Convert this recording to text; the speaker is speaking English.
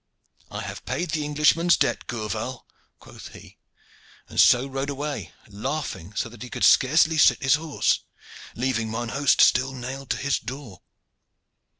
'I have paid the Englishman's debt, Gourval!' quoth he, and so rode away, laughing so that he could scarce sit his horse, leaving mine host still nailed to his door.